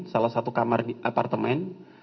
salah satu kamar apartemen